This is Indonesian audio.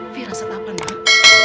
virasat apa nek